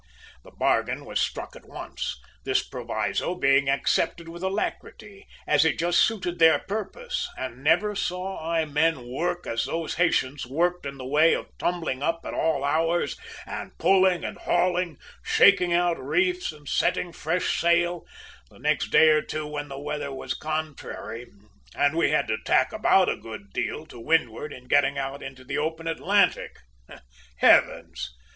"The bargain was struck at once, this proviso being accepted with alacrity as it just suited their purpose, and never saw I men work as those Haytians worked in the way of tumbling up at all hours and pulling and hauling, shaking out reefs and setting fresh sail, the next day or two when the weather was contrary, and we had to tack about a good deal to windward in getting out into the open Atlantic. "Heavens!